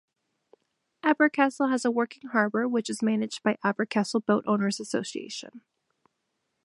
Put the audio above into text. Abercastle has a working harbour which is managed by Abercastle Boat Owners Association.